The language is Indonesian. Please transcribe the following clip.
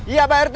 iya pak rt